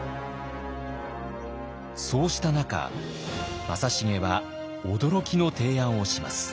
そうした中正成は驚きの提案をします。